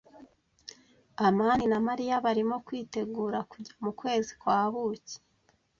amani na Mariya barimo kwitegura kujya mu kwezi kwa buki.